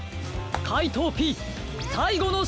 かいとうＰさいごのしょうぶです！